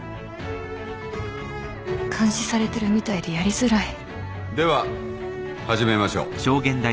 監視されてるみたいでやりづらいでは始めましょう。